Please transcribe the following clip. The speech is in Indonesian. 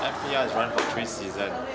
mpl sudah berjalan selama tiga peristiwa